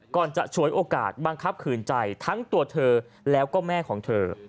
จะฉวยโอกาสบังคับขืนใจทั้งตัวเธอแล้วก็แม่ของเธอ